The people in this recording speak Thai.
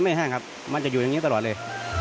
แห้งครับมันจะอยู่อย่างนี้ตลอดเลย